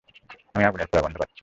আমি আগুনের পোড়ার গন্ধ পাচ্ছি!